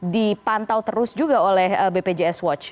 dipantau terus juga oleh bpjs watch